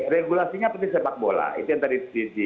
regulasinya penting sepak bola itu yang tadi